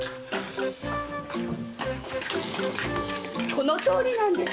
このとおりなんです！